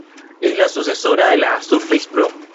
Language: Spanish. Es la sucesora de la Surface Pro.